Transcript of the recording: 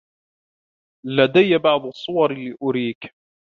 لدي بعض الصور لأريك.